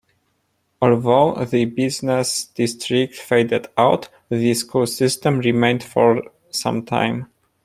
Although the business district faded out, the school system remained for some time.